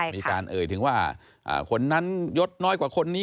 มีการเอ่ยถึงว่าคนนั้นยดน้อยกว่าคนนี้